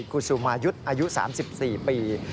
กุศุมายุทธ์อายุ๓๔ปี